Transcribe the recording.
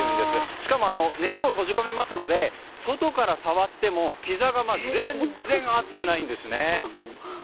しかも熱を閉じ込めますので外から触ってもピザ窯、全然熱くないんですね。